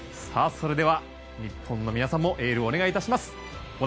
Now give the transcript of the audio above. それでは、日本の皆さんもエールをお願いします。